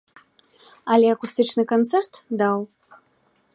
Але акустычны канцэрт даў.